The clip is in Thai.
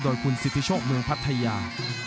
โดยคุณสิทธิโชคเมืองพัทยา